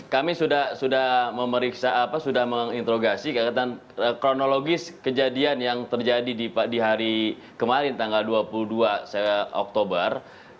kami sudah memeriksa sudah menginterogasi kronologis kejadian yang terjadi di hari kemarin tanggal dua puluh dua oktober